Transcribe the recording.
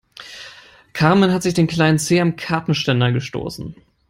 Carmen hat sich den kleinen Zeh am Kartenständer gestoßen.